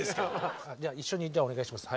一緒にじゃあお願いします。